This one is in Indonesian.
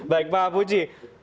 baik pak apuji